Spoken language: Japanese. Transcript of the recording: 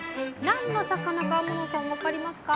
何の魚か天野さん分かりますか？